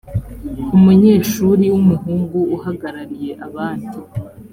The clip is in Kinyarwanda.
umunyeshuri w umuhungu uhagarariye abandi